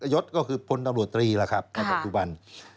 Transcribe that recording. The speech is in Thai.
ยศก็คือพลดังโดรตรีล่ะครับทุบัน